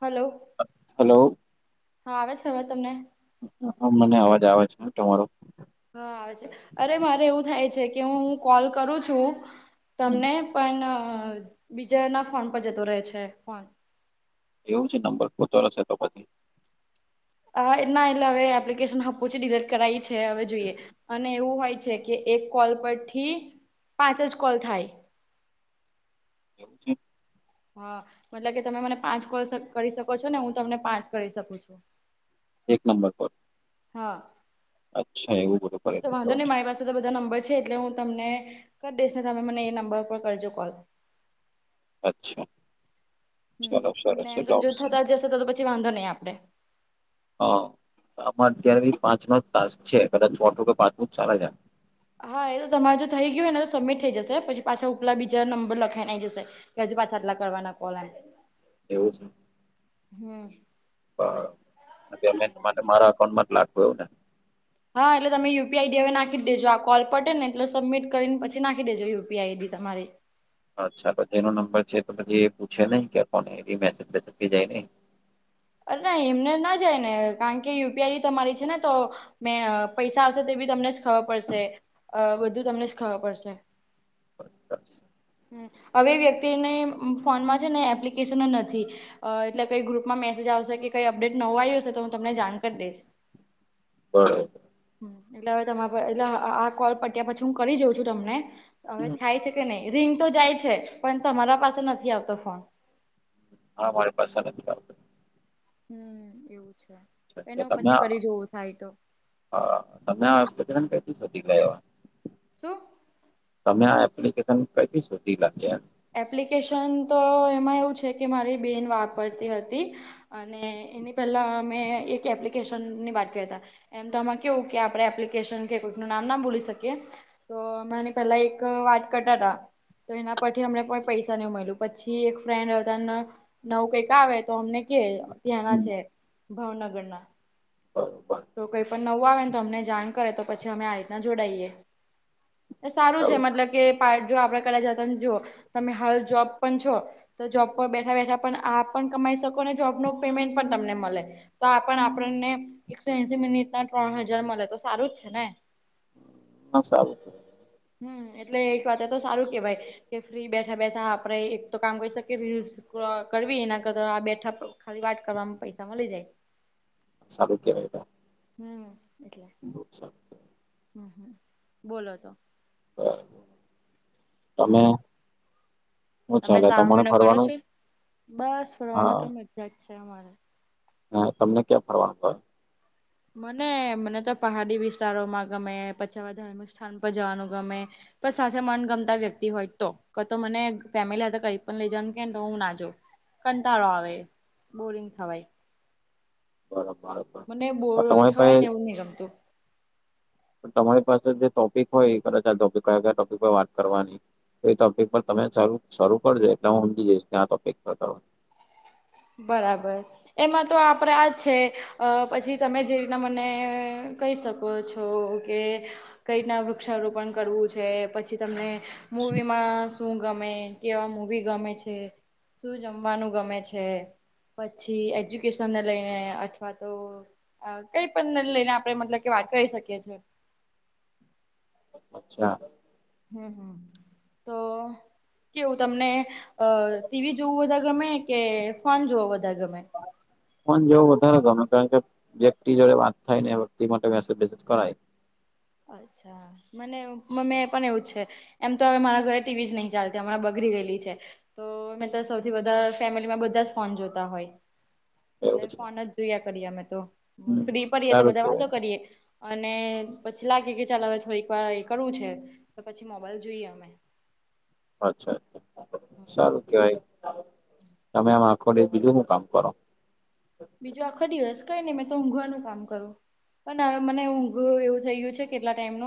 Hello hello હા આવે અવાજ તમને? મને અવાજ આવે છે તમારો. હા અરે મારે એવું થાય છે કે હું કોલ કરું છું. હમ તમને પણ બીજા ના ફોન પર જતો રહે છે ફોન એવું છે નંબર પોતો હશે તો પછી એ ના એટલે હવે એપ્લિકેશન હ પછી ડિલીટ કરાવી છે હવે જોઈએ અને એવું હોય છે કે એક કોલ પર થી પાંચ જ કોલ થાય. એમું છે. હા મતલબ કે તમે મને પાંચ કોલ કરી શકો છો ને હું તમને પાંચ કરી શકું છુ. એક નંબર પર હા અચ્છા એવું બધું કરે એતો છે. જો વાંધો ને. નહી મારી પાસે તો બધા નંબર છે એટલે હું તમને કરી દઈશ ને તમે મને એ નંબર ઉપર કરજો કોલ અચ્છા હ ચલો સરસ એટલે ને જો ઓપ્શન થતા જશે તો તો પછી વાંધો નહીિ આપડે હા આમાં અત્યારે પાંચ નો તક છે, કદા છો ટું કે પાંચમું સારા જ હા એ તો તમારે જો થઈ ગયું હો ને તો સબમિટ થઈ જશે પછી પાછા ઉપલા બીજા નંબર લખાઈનેઈ જશે કે હજુ પાછા આટલા કરવાના કોલમ એવું છે. હમ્મ તો માટે મારા અકાઉન્ટમાં જ લાગવું એવું ને હા એટલે તમે યુપીઆઈ હવે નાખી દેજો આ કોલ પટે ને એટલે સબમિટ કરીને પછી નાખીેજો યુપીઆઈડી તમારી અચ્છા પછી એનો નંબર છે તો પછી એ પૂછે નહીિ કે કોને એ મેસેજકી જાય નહી અરે ના એમને ના જાય ને કારણ કે યુપીઆઈ તમારી છેને, તો મે પૈસા આવશે તે બી તમને જ ખબર પડશે અ બધુ તમને જ ખબર પડશે અચ્છા અચ્છા હ હવે વ્યક્તિને ફોનમાં છે ને એપ્લિકેશન નથી. અ એટલે કઈ ગ્રુપમાં મેસેજ આવશે કે કઈ અપડેટ નવો આવી હશે તો હું તમને જાણ કરી દઈશ બરાબ હ એટલે હવે તમા એટલે આ કોલ પત્યા પછી હું કરી જાઉં છુ, તમને હવે હમ. થાય છે. કે નહી રિંગ તો જાય છે, પણ તમારા પાસે નથી આવતો ફોન હા મારી પાસે નથી આવત હમ એવું છે. અ્ એને અચ્છા હું પછી તમેને કરી જોવું થાય તો હા તમને પ્ર દીક એવા છુ. તમે આ એપ્લિકેશન કથી શોધી લાગીમ એપ્લિકેશન તો એમાં એવું છે કે મારી બેન વાપરતી હતી. અને એની પહેલાં મેં એક એપ્લિકેશનની વાત કરતા એમ તો આમાં કેવું કે આપડે એપ્લિકેશન કે કોઈક ન નામ ના ભૂલી શકીએ તો મેને પેલા એક વાત કટા હતા તો એના પ થી અમને કોઈ પૈસા નહી, મળ્યું પછી એક ફ્રેન્ડ હતાને નવું કઈક આવે તો અમને કે ત્યાંના છે, ભાવનગર ના હ બ તો કઈ પણ નવું આવે ને તો અમને જાણ કરે તો પછી અમે આ રીતના જોડાઈએ સારું છે મતલબ કે પાર્ટ જો આપડ કર જતાને જોુઓ તમે હાલ જોબ પણ છો. તો જોબ પર બેઠા બેઠા પણ આપ પણ કમાઈ શકો જોબનું પેમેન્ટ પણ તમને મળે તોણ આપણને એકસો એસી મિનિટ ના ત્રણ હજાર મળે તો સારું જ છેને. હ સાલ હમ એટલે એક વાત તો સારું કેવાય કે ફ્રી બેઠા બેઠા આપડે એક તો કામ કરીહી શકીએ રીલ્સ કરવી એના કરતા આ બેઠા ખરી વાટ કરવાવામાં પૈસા મળી જાય. સારું કેવાયટ હમ એટલે બ સર હમ હમ બોલો તો તમે હમ હું તમે ચાલે સારો તમારે મહિનો કરો ફરવાનું છો બસ ફરવાનું હા તો મજા જ છે અમારે હા તમને ક્યાં ફરવાનું હો મને મને તો પહાડી વિસ્તારોમાં ગમે પછીવા ધાર્મિક સ્થાન પર જવાનું ગમે પણ સાથે મનગમતા વ્યક્તિ હોય તો ક તો મને ફેમિલી સાથે કઈ પણ લઈ જ ને કે હું ના જો ક તારો આવે બોરિંગ થવાય બરાબ મને બોળ થવાય ને એવું નહિ ગમતું તમારી પાસે જે ટોપિક હોય એ કદાચ આ કયા કયા ટોપિક હોય વાત કરવાની તો એ ટોપિક પર તમે શરૂ કરજો એટલે હું સમજી જઈશ ત્યાં ટોપિકતા બરાબર એમાં તો આપડે આ છે પછી તમે જે રીના મને કહી શકો કો છો કે કઈ રીતના વૃક્ષારોપણ કરવું છે પછી તમને મવી માં શું ગમે કેવા મવી ગમે છે શું જમવાનું ગમે છે છે પછી એજ્યુકેશન ને લઈને અથવા તો કઈ પણ લઈને આપડે મતલબ કે વાત કરી શકીએ છીએ અચ્છા હમ હમ તો કેવું તમને અ ટીવી જોવું બધા ગમે કે ફોન જોવો બધા ગમે ફ જેવો વધારે ગમે કારણ કે વ્યક્તિ જોડે વાત થાય ને વ્યક્તિ માટે મેસેજસેજ કરાય અચ્છા મનેમે પણ એવું છે એમ તો હવે મારા ઘરે ટીવી જ નહી ચાલતી હમણાં બગડી ગયેલી છે તો મે તો સૌથી વધા ફેમિલીમાં બધા જ ફોન જોતા હોય એટલે એવું છે ફોન જ જોયા કરીએ અમે તો હમ, ફ્રી પરય તો સારું બધા કેવાય વાતો કરીએ અને પછી લાગે કે ચાલ હવે થોડીક વાર એ કરવું છે તો પછી મોબાઈલ જોઈએ અમે અચ્છા અચછા સારું કેવાય તમે આમ આખોડે બીજું ન કામ કરો બીજો આખો દિવસ કઈ ને મેં તો ઊંઘવાનું કામ કરું પણવે મને ઊંઘું એવું થઈ ગયું છે કેટલા ટાઈમ ન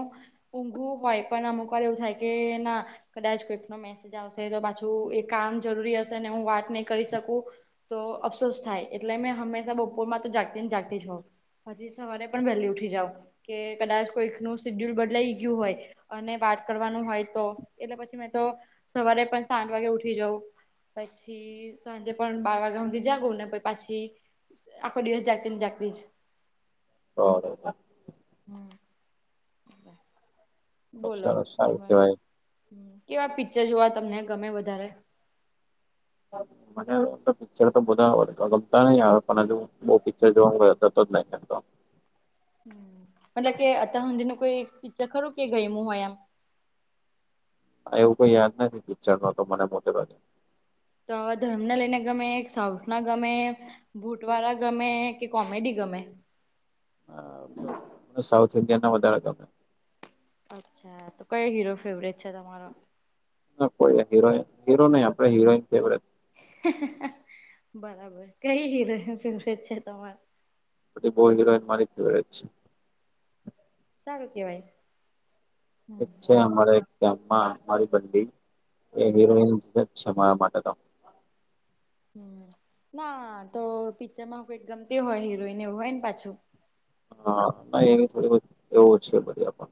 ઊંઘું હોય પણ અમુક વાર એવું થાય કે ના કદાચ કોઈક ન મે મેજ આવશે તો પાછું એ કામ જરૂરી હશે ને હું વાત નહી કરી શકું તો અફસોસ થાય એટલે મેં હંમેશા બપોર માં તો જાગતી ને જાગતી જ હોવ પછી સવારે પણ વહેલી ઉઠી જાાવ કે કદાચ કોઈક ન સીડ્યુલ બદલા ગયું હોય અને વાત કરવાનું હોય તો એટલે પછી મે તો સવારે પણ સાત વાગે ઉઠી જઉું પછી સાંજે પણ બાર વાગ્યા સુધી જાગું ને પી પછી આખો દિવસ જાગતી ને જાગતી જ ઓ હમ બ સર સારું કેવાય કેવા પિક્ચર જોવા તમને ગમે વધારે [inaudible] પિક્ચર તો બધા આવડ ગમતા નહી આવે પણ હજુ બહુ પિક્ચર જોવા જ નહી કરતો મતલબ કે અત હજી ન કોઈ કી્ચર ખરું કે ગયમું હોય એમ એવું કોઈ યાદ નથી પિક્ચર નો તો મને મોટે ભાગે તો આવા ધર્મને લઈને ગમે સાઉથ ના ગમે બૂટવાળા ગમે કે કોમેડી ગમે સાઉથ ઇન્ડિયા ના વધારે ગમે અચ્છા તો કયો હીરો ફેવરેટ છે તમારો ના કોઈ હીરોઈન, હીરો નહી આપડે હીરોઈન ફેવરે બરાબર, કઈ હીરોઇન ફેવરેટ છે? તમાર બધી બો હિરોઈન મારી ફેવરે છે. સારું કેવાય. હમ એક છે, અમારે ગામમાં અમારી બંડી એ હરોઈનજ છે મારા માટે તો. હમ્મ, ના, તો પિક્ચરમાં કોઈ ગમતી હોય હિરોઈન, એવું હોય ને પાછું. હા, નહી એની થોડીધ એ ઓછી બધે પણ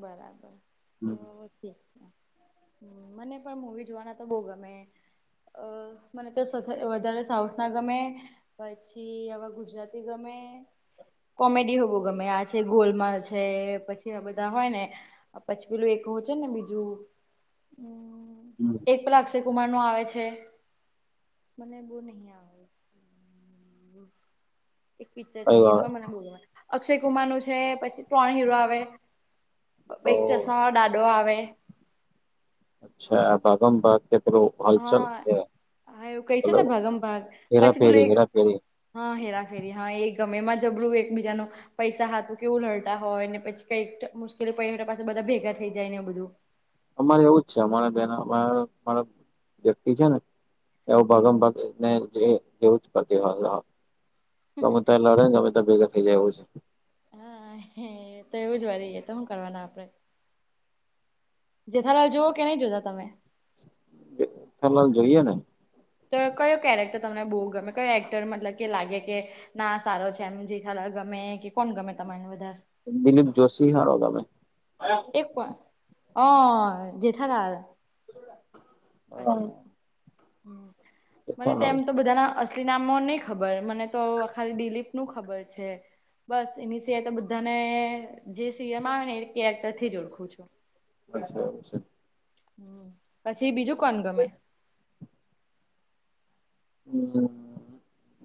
બરાબર, તો આપણ ઠીક છે. હમ્મ, મને પણ મુવી જોવાના તો બહું ગમે. અ, મને તો સથ વધારે સાઉથ ના ગમે. પછી, હવે ગુજરાતી ગમે. કોમેડીહો બઉ ગમે, આ છે ગોલમાંલ છે, પછી આ રા હોય ને, પછી પેલું એક હો છે ને બીજું, હમ્મ, હમ એક પેલા અક્ષય કુમાર નું આવે છે, મને બહુ નહિ આવ એક પિક્ચર છે, કઈ એ વાર પણ મને બોઉ ગમે, અક્ષય કુમાર નું છે, પછી ત્રણ હીરો આવે. અ ઓ પ ચશ્માવાળો દાડો આવે. છયા, ભાગમ ભાગ કે પેલું, હાલચલ હા મ હા એવું કઈ છે પેલો, ને ભાગમ ભાગ હેરા પછી પેલું ફેરી, એક હેરા ફેરી. હા હેરા ફેરી, હા એ ગમે, એમાં જબરું એકબીજાનું પૈસા હાથું કેવું લડતા હોય, ને પછી કઈકતો મુશ્કેલી પઇડી તો પાછું બધા ભેગા થઈ જાય ને એ બધું. અમારે એવું જ છે, અમારે બેનરા મારુ વ્યક્તિ છે ને. એવું ભગમ ભગને જે જેવું જ કરતી હોય, ગમે તા લડે, ને ગમે તા ભેગા થઇ જાય એવું છે. હા, એ તો એવું જ વળી, એ તો હું કરવાના આપડે? જેઠા લાલ જોઓ કે નહી જોતા તમે? જે ઠાં લાલ જોઈએને. તો કયો કેરેક્ટર તમને બહુ ગમે? કયો એક્ટર મતલબ કે લાગે કે ના સારો છે, એમ જેઠા લાલ ગમે કે કોણ ગમે તમાને વધારે? દિલીપ જોશી હારો ગમે. એક પણ, અ જેઠા લાલ. આ મને તો એમ તો બધાના અસ નામો નહી ખબર, મને તો ખાલી દિલીપ નું ખબર છે. બસ એની સિવાય તો બધાને, જે સિરમમાં આવે ને એવીતે એક્ટર થીજ ઓળખું છું. અચ્છા આવું છે. હમ્મ, પછી બીજું કોણ ગમે? બીજું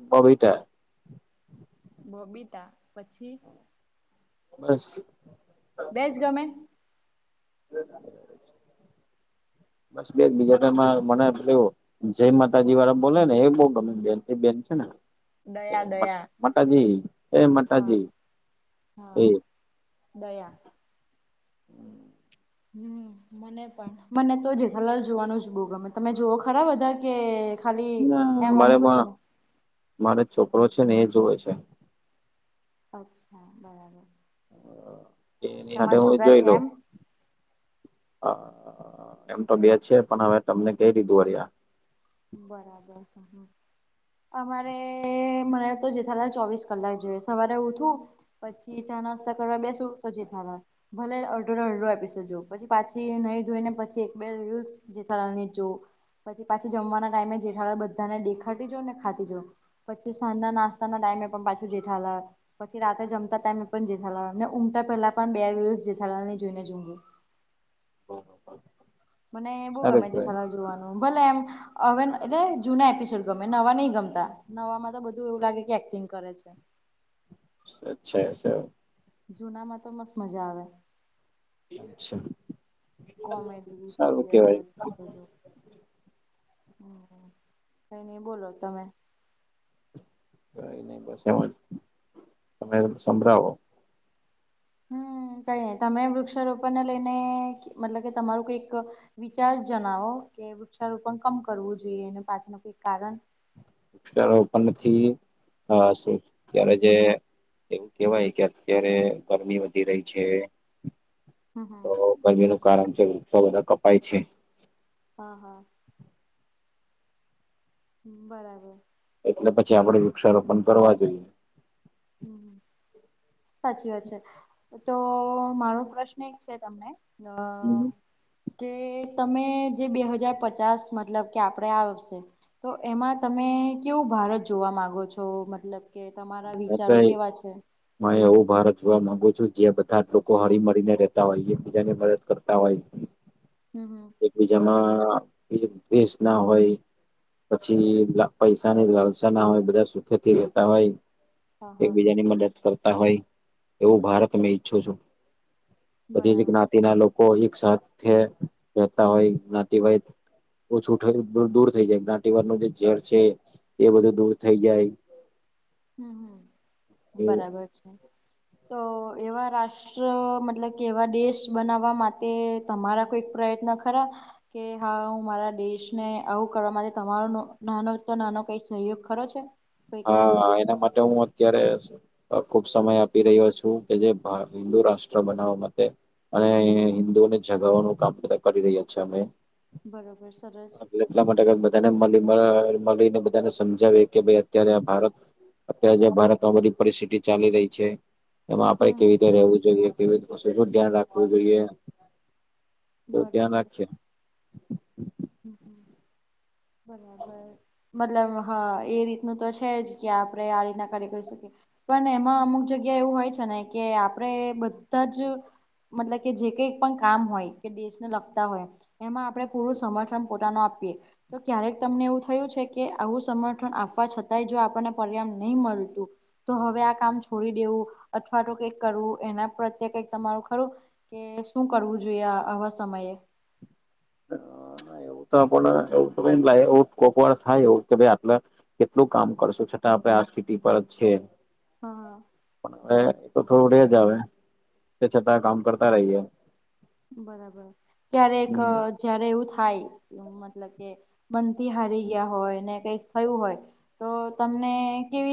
બબીતા બબીતા, પછી? બસ બેસ ગમે બસ બેજ, બીજા ટાઈમાં મને પેલુ જય માતાજી વાળા બોલે ને, એ બહુ ગમે બેન ટુ બેન છે ને. એ દયા દયા મટાજી, એ હા. મટાજી એ હા દયા હમ્મ હમ્મ, મને પણ, મને તો જેઠાં લાલ જોવાનું જ બહુ ગમે, તમે જોઓ ખરા બધા કે? ખાલી આમ અમુક સ મારો એક છોકરો છે ને, એ જુવે છે. અચ્છા બરાબર. અ એ એની હાથે તમારા હુંએ છોકરા જોઈ છે લઉ. એમ? એમ તો બે છે પણ હવે તમને કઈ રીધું અરિયા બરાબર અમારે મને તો જથાલાાલ ચોવીસ કલાક જોઈએ સવારે ઉઠું પછી ચા નાસ્તા કરવા બેસું તો જથાલા ભલે અડડરો અડડો આપી શજો પછી પાછી નહીં ધોઈને પછી એક બે જેઠાલા ને જો પછી પાછી જમવાના ટાઈમે જેઠાલા બધાને દેખાતી જો ને ખાતી જ પછી સાંધા નાસ્તા ના ટાઈમે પણ પાછું જેઠાલા પછી રાતે જમતા ટાઈમે એ પણ જેથાલા ઉઊમટતા પહેલા પણ બે દિવસ જેથાલાલ જોઈને ઊઘું મને બહુ ગમે સારું છે કેવાય સલાહ જોવાનું ભલે એમ- - હવે એટલે જૂના એપિસોડ ગમે નવા નહ ગમતા. નવાવામાં તો બધું એવું લાગે કે એક્ટિંગ કરે છે. અચ્છા સર. જુના માં તો મસ્ત મજા આવે. છે. કોમેડી સારું કેવાય સિરિયસ બધું. કઈ નઈ બોલો તમે? કઈ નહી બસ એમ જ તમે સંભળાવો. હમ કઈ ન તમે વૃક્ષારોપણને લઈને મતલબ કે તમારું કઈક- - વિચાર જણાવો કે વૃક્ષારોપણ કમ કરવું જોઈએ એ પાછનું કોઈ કારણ- - રોપણ નથી શું ત્યારે જે- - એવું કેહેવાય કે અત્યારે ગરમી વધી રહી છે. હમ હમ તો ગરમી નું કારણ છે વૃક્ષો બધા કપાય છે. હા હા. હ બરાબર. એટલે પછી આપડે વૃક્ષારોપણ કરવા જોઈએ. હમ [inaudible] સાચી વાત છે તો મારો પ્રશ્ન એક છે તમને મે અ- - કે તમે જે બે હજાર પચાસ મતલબ કે આપણે આવશે. તો એમાં તમે કેવું ભારત જોવા મામાંગો છો મતલબ? કે તમારા વિચારો કેવા છે? હ એવું ભારત જોવા માંગુ છું જે બધા જ લોકો હળ મળીને રહેેતા હોય એકબીજા ને મદદ કરતા હોય. હમ હમ. એકબીજામાં દસ ના હોય. પછી પૈસા ની લાલસા ના હોય બધા સુખેથી રહેેતા હોય. હા હા એકબીજાની મદદ કરતા હોય એવું ભારત મેં ઈચ્છું છું. બધી જ બરાબર જ્ઞાતિના લોકો એક સાથે રહેતા હોય જ્ઞાતિવાય- - ઓછું દૂર થઈ જાય જ્ઞાતિવારનું જે રોજ છે. એ બધું દૂર થઈ જાય. હમ હમ એવું બરાબર છે તો એવા રા- - રાષ્ટ્ર મતલબ કે એવા દેશ બનાવવા માટે તમારા કોઈક પ્રયત્ન ખરા? કે હા હું મારા દેશને આવું કરવા માટે તમારો નાનો તો નાનો કંઈક સહયોગ ખરો છે? કઈક હા એના માટે હું અત્યારે- - ખુબ સમય આપી રહ્યો છું કે જે હિન્દુ રાષ્ટ્ર બનાવવા માટે- - અને હિન્દુઓને જગાવવાનું કામ બધા કરી રહ્યા છેીએ અમે- - બરોબર સરસ. એટલા માટે બધાને મળી મળીને બધાને સમજાવી કે ભ- - અત્યારે ભારત અત્યારે જં ભારતમાં બધી પરિસ્થિતિ ચાલી રહી છે. એમાં આપડે હમ કેવી રીતે રવું જોઈએ કેવી રીતે વતુ શ ધ્યાન રાખવું જોઈએ. બહ ધ્યાન બરોબર રાખશે. હમ હમ. બરાબર મતલબ હા એ રીતનું તો છે જ કે આપણે આ રીતના કાર્ય કરી શકીએ. પણ એમાં અમુક જગ્યા એવું હોય છે ને કે આપડે બધા જ મતલબ કે જે કઈ પણ કામ હોય કે દેશને લગતા હોય એમાં આપડે પૂરું સમ થન પોતાનો આપીએ તો ક્યારેક તમને એવું થયું છે કે આવું સમર્થન આપવા છતાંય જો આપણને પરિણામ નહી મળતું તો હવે આ કામ છોડી દેવું અથવા તો કઈક કરવું એના પ્રત્યે કંઈક તમારું ખરું કે શું કરવું જોઈએ આવા સમયે? એવું તો પણ એવું તો લાગે [unintelligible] થાય એવું કે ભાઈ આટલા કેટલું કામ કરશો છતાં આપડે આ સ્થિટી પર જ છે. હા પણ હવે તો થોડુ રેજ અવે તે છતાં, કામ કરતા રહીએ બરાબર ત્યારે એક હમ જયારે એવું થાય મતલબ કે મન થી હારી ગયા હોય, ને કઈ થયું હોય તો તમને કેવી